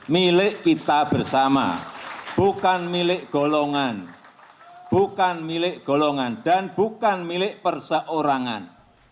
milik kita bersama bukan milik golongan bukan milik golongan dan bukan milik perseorangan